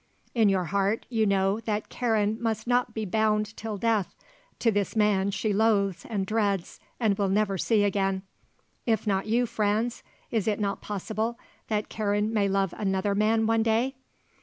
In your heart you know that Karen must not be bound till death to this man she loathes and dreads and will never see again. If not you, Franz, is it not possible that Karen may love another man one day?